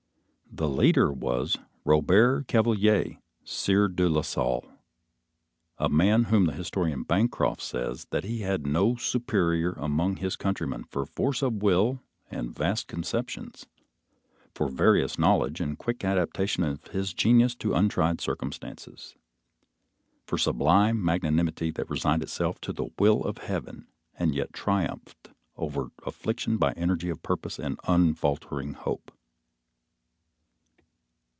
The leader was Robert Cavelier, Sieur de La Salle, a man whom the historian Bancroft says that he had no superior among his countrymen for force of will and vast conceptions; for various knowledge, and quick adaptation of his genius to untried circumstances; for sublime magnanimity that resigned itself to the will of Heaven and yet triumphed over affliction by energy of purpose and unfaltering hope.